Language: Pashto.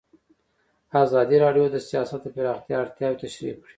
ازادي راډیو د سیاست د پراختیا اړتیاوې تشریح کړي.